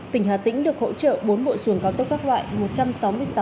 tỉnh hà tĩnh được hỗ trợ bốn bộ xuồng cao tốc các loại